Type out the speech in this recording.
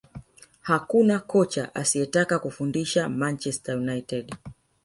hakuna kocha asiyetaka kufundisha manchester united